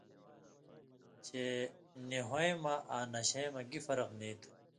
چے ”نی ہُوئیں مہ آں نشَیں مہ“ گی فرق نیں تُھو۔